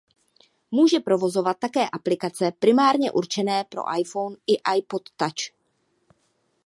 Může provozovat také aplikace primárně určené pro iPhone a iPod Touch.